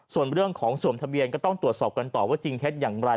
ส่วนเรื่องของสวมทะเบียนก็ต้องตรวจสอบกันต่อว่าจริงเท็จอย่างไร